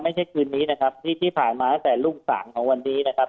คืนนี้นะครับที่ผ่านมาตั้งแต่รุ่งสางของวันนี้นะครับ